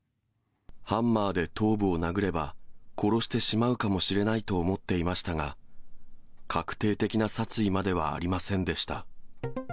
ハンマーで頭部を殴れば、殺してしまうかもしれないと思っていましたが、確定的な殺意まではありませんでした。